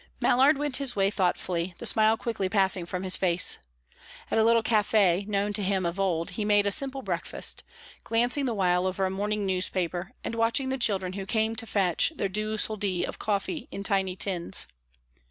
Mallard went his way thoughtfully, the smile quickly passing from his face. At a little caffe, known to him of old, he made a simple breakfast, glancing the while over a morning newspaper, and watching the children who came to fetch their due soldi of coffee in tiny tins.